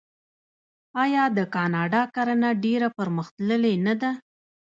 آیا د کاناډا کرنه ډیره پرمختللې نه ده؟